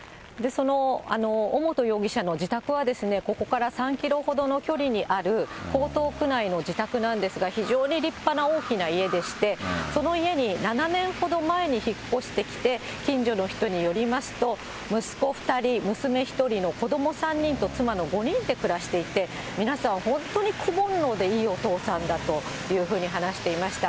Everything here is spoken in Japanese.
尾本容疑者の自宅はここから３キロほどの距離にある江東区内の自宅なんですが、非常に立派な大きな家でして、その家に７年ほど前に引っ越してきて、近所の人によりますと、息子２人、娘１人の子ども３人と妻の５人で暮らしていて、皆さん本当に子ぼんのうでいいお父さんだというふうに話していました。